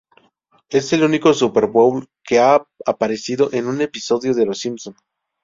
Es el único Super Bowl que ha aparecido en un episodio de Los Simpson.